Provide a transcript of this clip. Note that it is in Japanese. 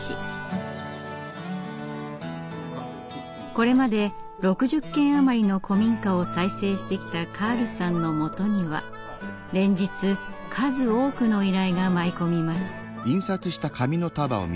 これまで６０軒余りの古民家を再生してきたカールさんのもとには連日数多くの依頼が舞い込みます。